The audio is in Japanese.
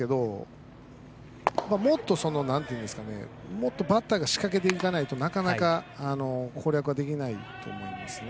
もっとバッターが仕掛けていかないと攻略はできないと思います。